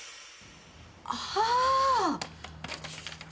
ああ！